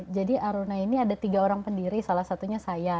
jadi aruna ini ada tiga orang pendiri salah satunya saya